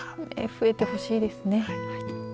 増えてほしいですね。